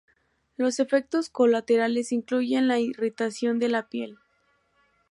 Los efectos colaterales incluyen la irritación de la piel.